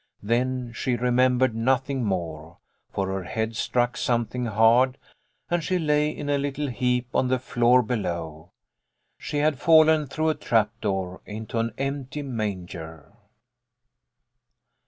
Then she remembered nothing more, for her head struck something hard, and she lay in a little heap on the floor below. She had fallen through a trap door into an empty manger.